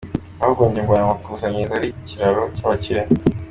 Ahubwo njye mbona amakusanyirizo ari ikiraro cy’abakire.